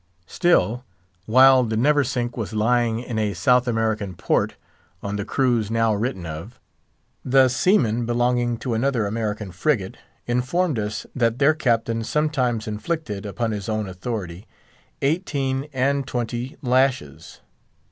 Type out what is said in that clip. Still, while the Neversink was lying in a South American port, on the cruise now written of, the seamen belonging to another American frigate informed us that their captain sometimes inflicted, upon his own authority, eighteen and twenty lashes.